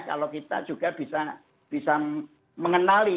kalau kita juga bisa mengenali